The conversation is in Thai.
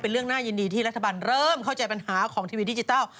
เรื่องน่ายินดีที่รัฐบาลเริ่มเข้าใจปัญหาของทีวีดิจิทัล